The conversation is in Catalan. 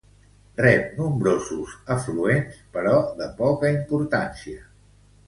Rep nombrosos afluent però de poca importància.